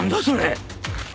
それ。